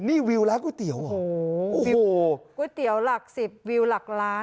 นี่วิวร้านก๋วยเตี๋ยวเหรอโอ้โหวิวก๋วยเตี๋ยวหลักสิบวิวหลักล้าน